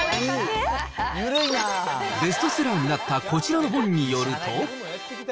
ベストセラーになったこちらの本によると。